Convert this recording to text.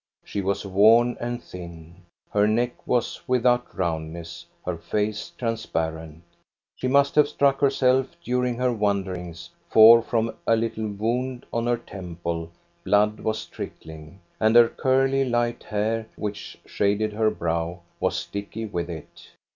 She was worn and thin, her neck was without roundness, her face trans parent She must have struck herself during her wanderings, for from a little wound on her temple blood was trickling, and her curly, light hair, which shaded her brow, was sticky with it.